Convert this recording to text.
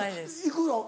行くの？